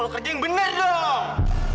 kalo kerja yang bener dong